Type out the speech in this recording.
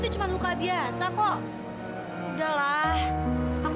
terima kasih pak